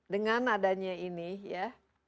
dengan adanya ini ya